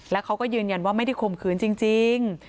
แล้วเขาก็ยืนยันว่าไม่ได้ข่มขืนจริง